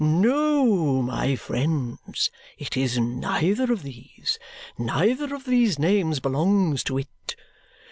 "No, my friends, it is neither of these. Neither of these names belongs to it.